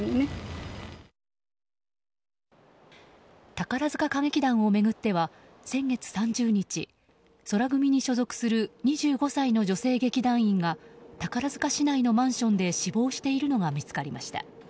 宝塚歌劇団を巡っては先月３０日宙組に所属する２５歳の女性劇団員が宝塚市内のマンションで死亡しているのが見つかりました。